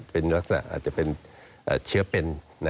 เป็นลักษณะอาจจะเป็นเชื้อเป็น